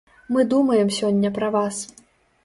Мы думаем сёння пра вас.